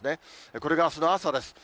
これがあすの朝です。